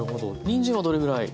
にんじんはどれぐらい？